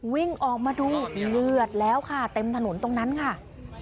วิ่งออกมาดูเลือดแล้วค่ะเต็มถนนตรงนั้นค่ะ